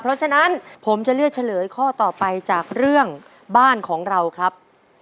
เพราะฉะนั้นผมจะเลือกเฉลยข้อต่อไปจากเรื่องบ้านของเราครับ